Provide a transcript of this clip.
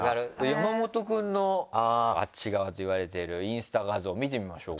山本くんのあっち側といわれているインスタ画像見てみましょうか。